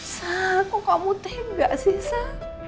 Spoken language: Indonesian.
sa kok kamu tegak sih sa